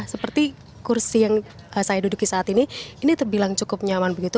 seperti kursi yang saya duduki saat ini ini terbilang cukup nyaman begitu